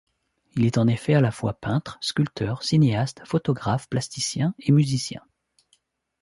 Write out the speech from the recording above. Il est en effet à la fois peintre, sculpteur, cinéaste, photographe plasticien et musicien.